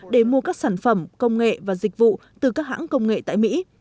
để mua các sản phẩm công nghệ và dịch vụ từ các hãng công nghệ tại mỹ